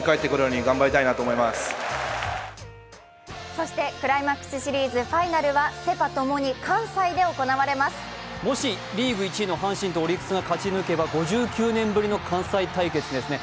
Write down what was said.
そしてクライマックスシリーズファイナルはセ・パ共にもし、リーグ１位の阪神とオリックスが勝ち抜けば５９年ぶりの関西対決ですね。